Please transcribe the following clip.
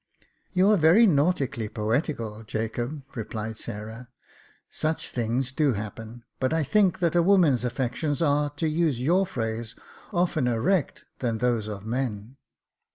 " You are very nautically poetical, Jacob," replied Sarah. " Such things do happen ; but I think that women's affections are, to use your phrase, oftener wrecked than those of men.